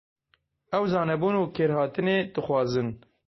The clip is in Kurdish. Ew zanebûn û kêrhatinê dixwazin.